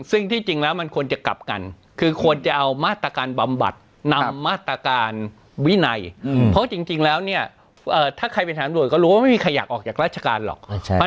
ซึ่งที่จริงแล้วมันควรจะกลับกันคือควรจะเอามาตรการบำบัดนำมาตรการวินัยเพราะจริงแล้วเนี่ยถ้าใครเป็นฐานด่วนก็รู้ว่าไม่มีใครอยากออกจากราชการหรอก